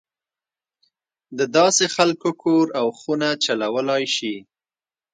دداسې خلک کور او خونه چلولای شي.